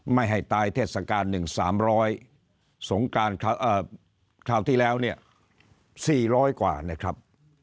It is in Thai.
ไม่ให้ตายเทศกาลหนึ่งสามร้อยสงกรานคราวที่แล้วเนี่ยสี่ร้อยกว่านะครับ